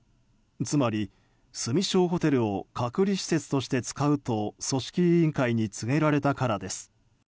つまり、住庄ほてるを隔離施設として使うと組織委員会に告げられたからです。